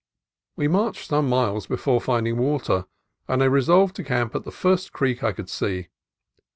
We marched some miles before finding water, and I resolved to camp at the first creek I should see.